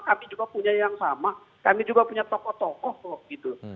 kami juga punya yang sama kami juga punya tokoh tokoh gitu